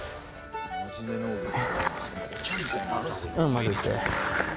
まいて。